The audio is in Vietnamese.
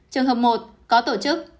trường hợp một có tổ chức